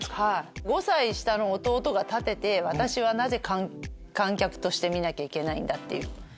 ５歳下の弟が立てて私はなぜ観客として見なきゃいけないんだ。